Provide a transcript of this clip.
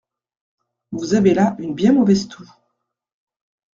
Vous avez là une bien mauvaise toux.